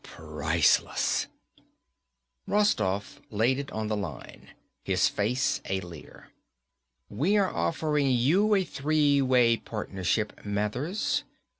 "Priceless." Rostoff laid it on the line, his face a leer. "We are offering you a three way partnership, Mathers.